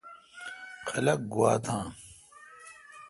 خلق گوا تھان۔